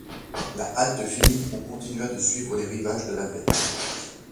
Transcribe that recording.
La halte finie, on continua de suivre les rivages de la baie.